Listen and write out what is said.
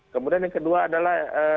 kemudian yang kedua adalah